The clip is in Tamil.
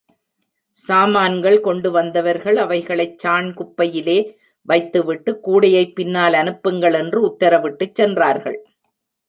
சாமான்கள் கொண்டு வந்தவர்கள் அவைகளைச் சாண் குப்பையிலே வைத்துவிட்டு, கூடையைப் பின்னால் அனுப்புங்கள் என்று உத்தரவிட்டுச் சென்றார்கள்.